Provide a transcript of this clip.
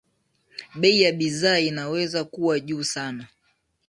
bei ya bidhaa inaweza kuwa juu sana